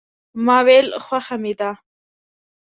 ما ویل خوښه مې ده.